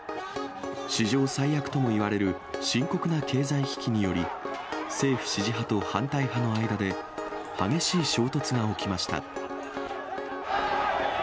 史上最悪ともいわれる深刻な経済危機により、政府支持派と反対派の間で、激しい衝突が起きました。